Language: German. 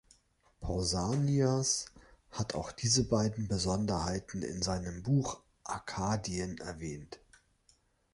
Pausanias hat auch diese beiden Besonderheiten in seinem Buch "Arkadien" erwähnt.